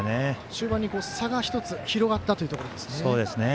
終盤に差が１つ広がったというところですね。